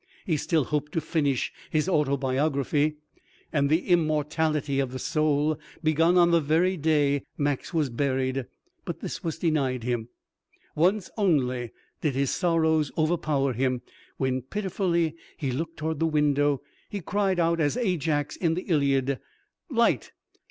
He still hoped to finish his autobiography, and the "Immortality of the Soul," begun on the very day Max was buried; but this was denied him. Once only did his sorrows overpower him, when pitifully looking toward the window, he cried out as Ajax in the "Iliad": "Light!